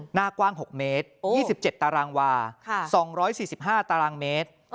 หน้ากว้าง๖เมตร๒๗ตารางวา๒๔๕ตารางเมตร